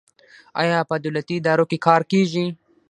آیا په دولتي ادارو کې کار کیږي؟